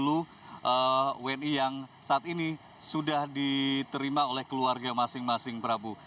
sepuluh wni yang saat ini sudah diterima oleh keluarga masing masing prabu